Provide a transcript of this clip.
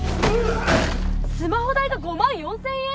スマホ代が５万４，０００円！？